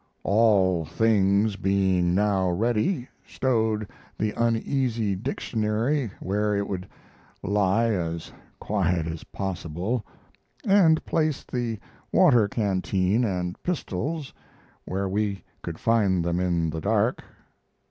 All things being now ready, stowed the uneasy dictionary where it would lie as quiet as possible, and placed the water canteen and pistols where we could find them in the dark.